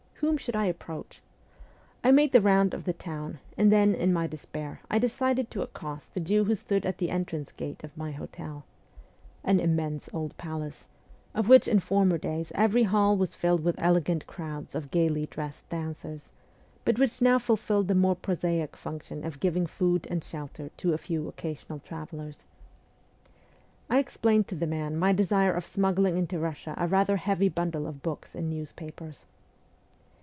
Whom should I approach? I made the round of the town, and then, in my despair, I decided to accost the Jew who stood at the entrance gate of my hotel an immense old palace, of which in former days every hall was filled with elegant crowds of gaily dressed dancers, but which now fulfilled the more prosaic function of giving food and shelter to a few occasional travellers. I explained to the man my desire of smuggling into Eussia a rather heavy bundle of books and newspapers.